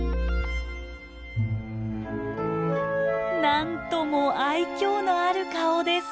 なんとも愛嬌のある顔です。